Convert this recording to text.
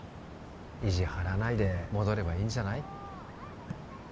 意地張らないで戻ればいいんじゃない？